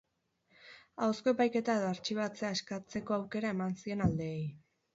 Ahozko epaiketa edo artxibatzea eskatzeko aukera eman zien aldeei.